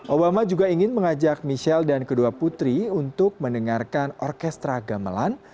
obama juga ingin mengajak michelle dan kedua putri untuk mendengarkan orkestra gamelan